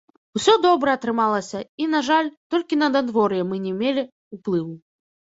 Усё добра атрымалася, і, на жаль, толькі на надвор'е мы не мелі ўплыву.